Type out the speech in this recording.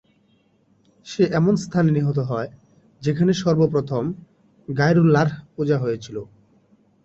সে এমন স্থানে নিহত হয়, যেখানে সর্বপ্রথম গায়রুল্লাহর পূজা হয়েছিল।